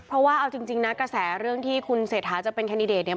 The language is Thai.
เพราะว่าเอาจริงนะกระแสเรื่องที่คุณเศรษฐาจะเป็นแคนดิเดตเนี่ย